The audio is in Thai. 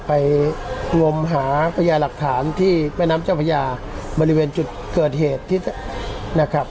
งมหาพยาหลักฐานที่แม่น้ำเจ้าพระยาบริเวณจุดเกิดเหตุที่นะครับ